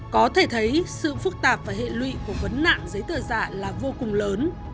có thể thấy sự phức tạp và hệ lụy của vấn nạn giấy tờ giả là vô cùng lớn